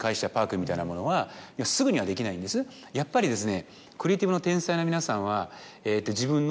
やっぱりですね。